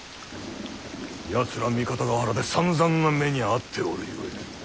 やつら三方ヶ原でさんざんな目に遭っておるゆえ。